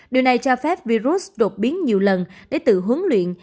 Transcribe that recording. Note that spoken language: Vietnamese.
điều này cho phép virus đột biến nhiều lần để tự huấn luyện